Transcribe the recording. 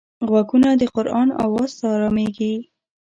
غوږونه د قرآن آواز ته ارامېږي